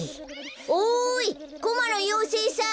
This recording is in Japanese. おいコマのようせいさん！